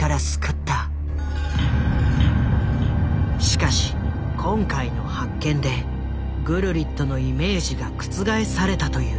しかし今回の発見でグルリットのイメージが覆されたという。